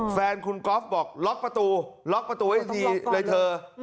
แฟนคุณก๊อฟบอกล็อกประตูล็อกประตูไว้ทันทีเลยเธอ